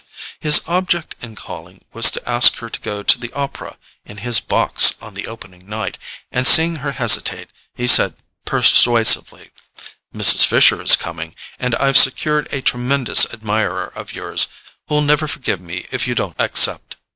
His object in calling was to ask her to go to the opera in his box on the opening night, and seeing her hesitate he said persuasively: "Mrs. Fisher is coming, and I've secured a tremendous admirer of yours, who'll never forgive me if you don't accept."